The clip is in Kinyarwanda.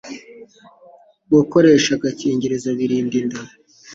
gukoresha agakingirizo birinda inda